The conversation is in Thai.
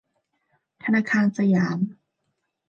ธนาคารสยาม